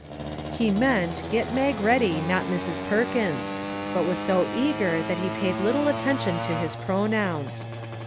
He meant, get Mag ready, not Mrs. Perkins, but was so eager that he paid little attention to his pronouns.